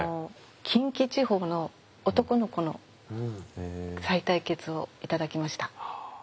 近畿地方の男の子のさい帯血を頂きました。